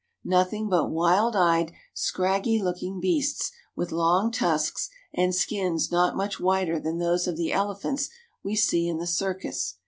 Nothing but wild eyed, scraggy looking beasts with long tusks and skins not much whiter than those of the ele phants we see in the circus.